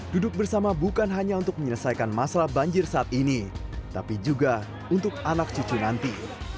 duduk bersama bukan hanya untuk menyelesaikan masalah banjir saat ini tapi juga untuk anak cucu nanti